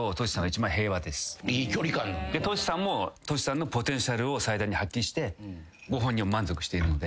ＴＯＳＨＩさんもＴＯＳＨＩさんのポテンシャルを最大に発揮してご本人は満足しているので。